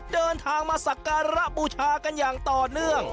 เดินทางมาสักการะบูชากันอย่างต่อเนื่อง